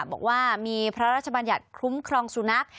บอกว่ามีพระราชบัญญัติคุ้มครองสุนัข